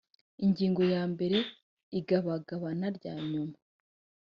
ingingo yambere igabagabana rya nyuma